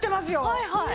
はいはい。